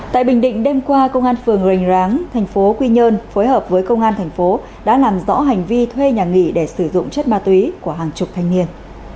tại bình định đêm qua công an phường hoành ráng thành phố quy nhơn phối hợp với công an thành phố đã làm rõ hành vi thuê nhà nghỉ để sử dụng chất ma túy của hàng chục thanh niên